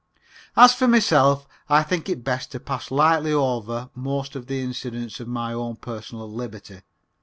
As for myself, I think it best to pass lightly over most of the incidents of my own personal liberty.